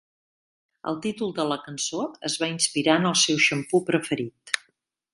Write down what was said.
El títol de la cançó es va inspirar en el seu xampú preferit.